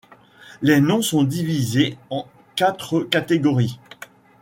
Les noms sont divisés en quatre catégories.